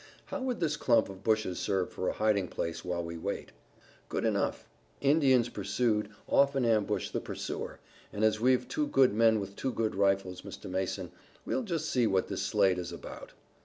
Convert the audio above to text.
"How would this clump of bushes serve for a hiding place while we wait?" "Good enough. Indians pursued, often ambush the pursuer, and as we've two good men with two good rifles, Mr. Mason, we'll just see what this Slade is about."